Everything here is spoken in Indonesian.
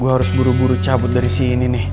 gue harus buru buru cabut dari sini nih